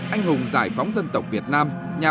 anh hùng giải phóng dân tộc việt nam